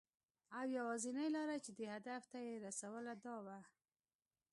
او یوازېنۍ لاره چې دې هدف ته یې رسوله، دا وه .